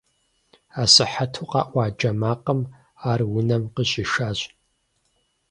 Асыхьэту къэӀуа джэ макъым ар унэм къыщӀишащ.